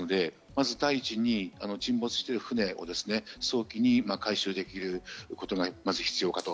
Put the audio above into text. まず第一に沈没している船を早期に回収できることがまず必要かと。